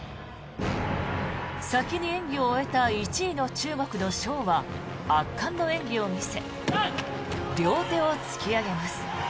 先に演技を終えた１位の中国のショウは圧巻の演技を見せ両手を突き上げます。